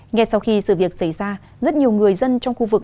ngay sau khi sự việc xảy ra rất nhiều người dân trong khu vực